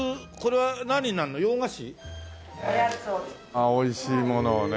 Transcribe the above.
あっ美味しいものをね。